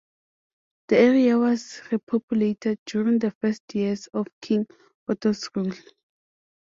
The area was repopulated during the first years of King Otto's rule.